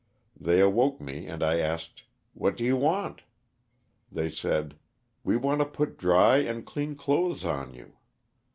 '' They awoke me and I asked: What do you want?" They said: *'We want to put dry and clean clothes on you."